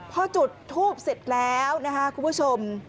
พอจุดทูบเสร็จแล้วนะคะคุณผู้ชม